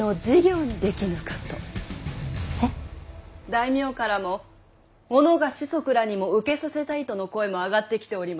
大名からも己が子息らにも受けさせたいとの声も上がってきておりまして。